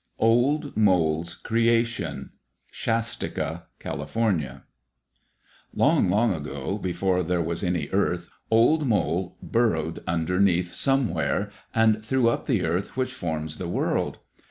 Old Mole's Creation Shastika (Cal.) Long, long ago, before there was any earth, Old Mole burrowed underneath Somewhere, and threw up the earth which forms the world.